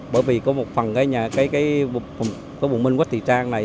bởi vì có một phần cái vùng minh quách thị trang này